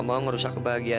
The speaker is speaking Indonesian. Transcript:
mengirim tawa gue